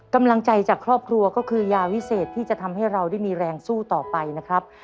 กำลังใจจากครอบครัวก็คือยาวิเศษที่จะทำให้เราได้มีแรงสู้ต่อไปนะครับ